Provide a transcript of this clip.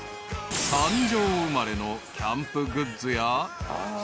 ［三条生まれのキャンプグッズや］